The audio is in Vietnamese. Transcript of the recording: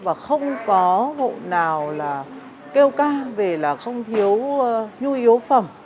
và không có hộ nào là kêu ca vì là không thiếu nhu yếu phẩm